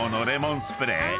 レモンスプレー！